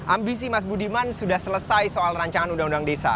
ambisi mas budiman sudah selesai soal rancangan undang undang desa